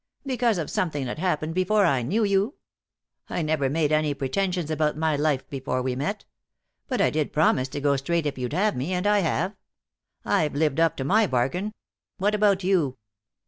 "Because of something that happened before I knew you? I never made any pretensions about my life before we met. But I did promise to go straight if you'd have me, and I have. I've lived up to my bargain. What about you?"